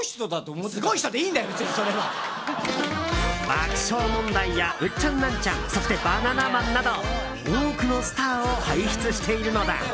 爆笑問題やウッチャンナンチャンそしてバナナマンなど多くのスターを輩出しているのだ。